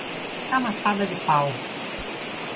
Camaçada de pau